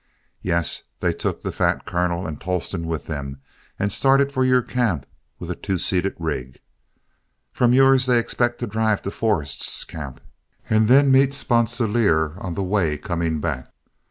Yes, they took the fat Colonel and Tolleston with them and started for your camp with a two seated rig. From yours they expect to drive to Forrest's camp, and then meet Sponsilier on the way coming back.